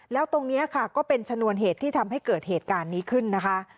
แล้วตรงนี้ค่ะก็เป็นชนวนเหตุที่ทำให้เกิดเหตุการณ์นี้ขึ้นนะคะ